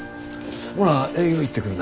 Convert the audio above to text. ほな営業行ってくるな。